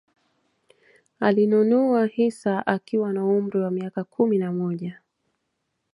Alinunua hisa akiwa na umri wa miaka kumi na moja